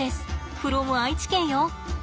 フロム愛知県よ。